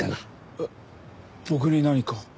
えっ僕に何か？